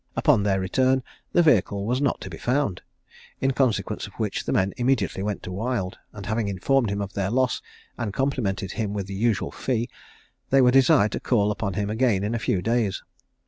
Upon their return the vehicle was not to be found; in consequence of which the men immediately went to Wild, and having informed him of their loss, and complimented him with the usual fee, they were desired to call upon him again in a few days.